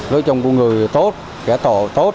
nói chung là người tốt kẻ tổ tốt